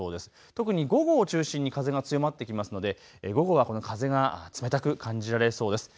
特に午後を中心に風が強まってきますので、午後はこの風が冷たく感じられそうです。